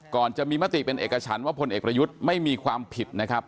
ก่อนจะมีมติเป็นเอกชันว่าพลเอกประยุทธ์ไม่มีความผิดนะครับ